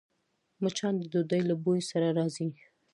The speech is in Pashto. مچان د ډوډۍ له بوی سره راځي